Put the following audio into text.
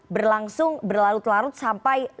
berlangsung berlarut larut sampai